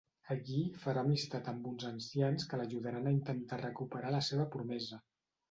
Allí farà amistat amb uns ancians que l'ajudaran a intentar recuperar a la seva promesa.